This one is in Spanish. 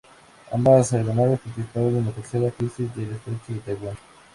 Ambas aeronaves participaron en la Tercera Crisis del Estrecho de Taiwán.